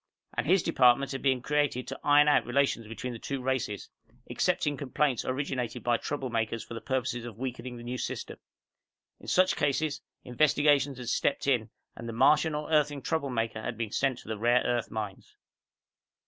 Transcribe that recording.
And his department had been created to iron out relations between the two races excepting complaints originated by troublemakers for the purpose of weakening the New System. In such cases, Investigations had stepped in and the Martian or Earthling troublemaker had been sent to the rare earth mines.